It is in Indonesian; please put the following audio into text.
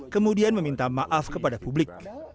kemudian meminta maaf kepada publik